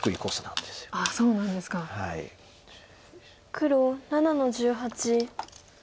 黒７の十八。